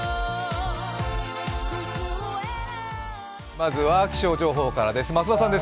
まずは気象情報からです。